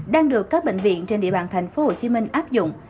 đang được các bệnh viện trên địa bàn tp hcm áp dụng